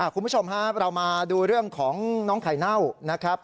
คุณผู้ชมครับเรามาดูเรื่องของน้องไข่เน่านะครับ